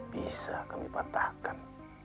bisa kami patahkan